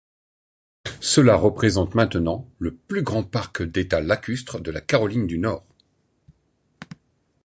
Cela représente maintenant le plus grand parc d'état lacustre de la Caroline du Nord.